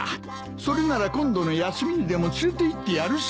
それなら今度の休みにでも連れていってやるさ。